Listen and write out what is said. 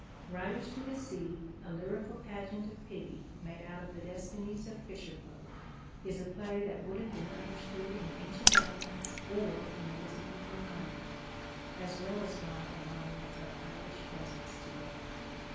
Riders to the Sea_, a lyrical pageant of pity made out of the destinies of fisher folk, is a play that would have been understood in ancient Athens or in Elizabethan London, as well as by an audience of Irish peasants to day.